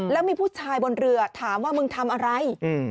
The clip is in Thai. แล้วมีผู้ชายบนเรือถามว่ามึงทำอะไร